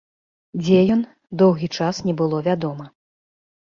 Дзе ён, доўгі час не было вядома.